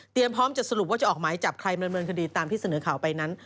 พร้อมจะสรุปว่าจะออกหมายจับใครมาดำเนินคดีตามที่เสนอข่าวไปนั้น